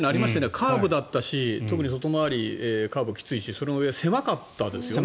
カーブだったし特に外回りカーブがきついしそのうえ狭かったですよね。